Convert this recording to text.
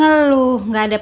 aduh bang ojak